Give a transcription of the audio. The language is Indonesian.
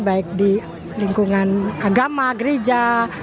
baik di lingkungan agama gereja